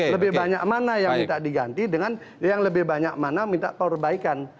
lebih banyak mana yang minta diganti dengan yang lebih banyak mana minta perbaikan